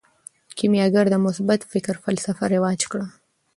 کیمیاګر د مثبت فکر فلسفه رواج کړه.